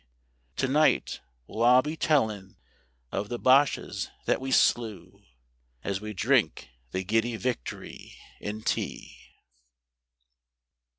To night we'll all be tellin' of the Boches that we slew, As we drink the giddy victory in Tea.